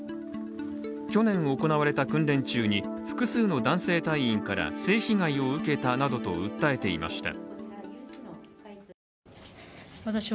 去年、行われた訓練中に複数の男性隊員から性被害を受けたなどと訴えていました。